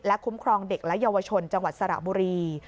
คุ้มครองเด็กและเยาวชนจังหวัดสระบุรี